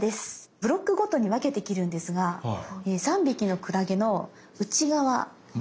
ブロックごとに分けて切るんですが３匹のクラゲの内側。